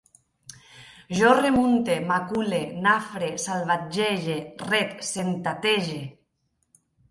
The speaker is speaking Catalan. Jo remunte, macule, nafre, salvatgege, ret, setantege